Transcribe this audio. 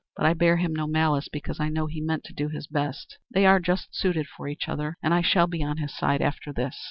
But I bear him no malice, because I know he meant to do his best. They are just suited for each other, and I shall be on his side after this."